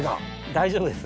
大丈夫です。